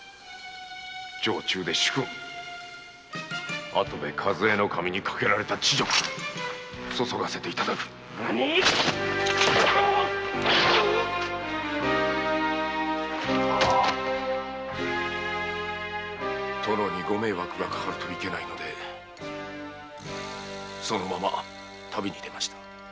城中で主君跡部主計頭にかけられた恥辱そそがせていただく殿にご迷惑がかかるといけないのでそのまま旅に出ました。